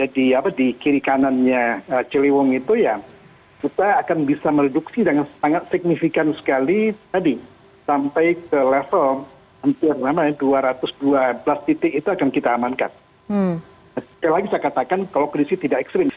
sekali lagi saya katakan kalau krisis tidak ekstrim